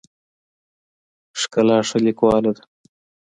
ښکلا ښه لیکواله ده.